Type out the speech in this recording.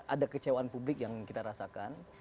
ada kecewaan publik yang kita rasakan